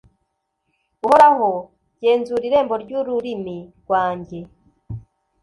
uhoraho, genzura irembo ry'ururimi rwanjye